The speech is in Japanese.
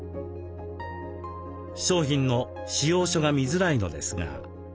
商品の仕様書が見づらいのですが。